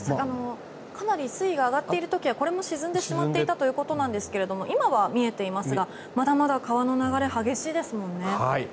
かなり水位が上がっている時はこれも沈んでしまっていたということなんですが今は見えていますがまだまだ川の流れ激しいですもんね。